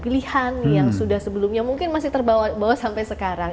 pilihan yang sudah sebelumnya mungkin masih terbawa bawa sampai sekarang